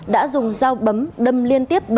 đã dùng dao bấm đâm liên tiếp